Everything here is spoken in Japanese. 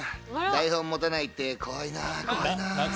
台本を持たないって怖いな。